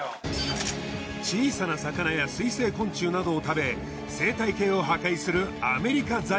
小さな魚や水生昆虫などを食べ生態系を破壊するアメリカザリガニ。